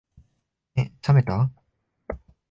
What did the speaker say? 目、さめた？